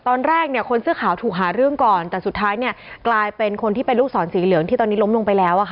ตอนแรกเนี่ยคนเสื้อขาวถูกหาเรื่องก่อนแต่สุดท้ายกลายเป็นคนที่เป็นลูกศรสีเหลืองที่ตอนนี้ล้มลงไปแล้ว